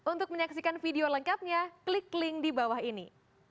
untuk menyaksikan video lengkapnya klik link di bawah ini